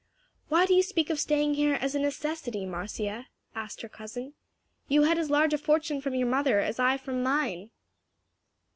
"Why do you speak of staying here as a necessity, Marcia?" asked her cousin. "You had as large a fortune from your mother as I from mine."